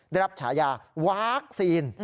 ได้รับฉายาวัคซีน